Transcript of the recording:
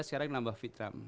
sekarang nambah fitram